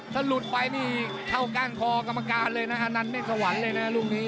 ถ้าหลุดไปนี่เข้าก้านคอกรรมการเลยนะอนันต์เมฆสวรรค์เลยนะลูกนี้